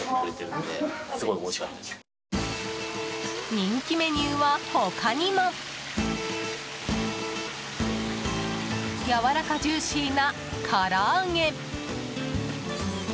人気メニューは他にも。やわらかジューシーなから揚げ。